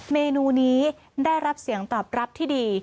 เมนูนี้ได้รับเสียงตอบรับที่ดี